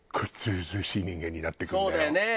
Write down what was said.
そうだよね。